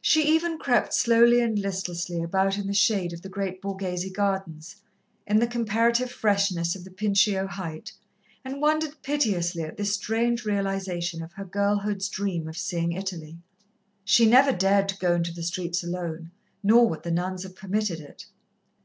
She even crept slowly and listlessly about in the shade of the great Borghese gardens, in the comparative freshness of the Pincio height, and wondered piteously at this strange realization of her girlhood's dream of seeing Italy. She never dared to go into the streets alone, nor would the nuns have permitted it.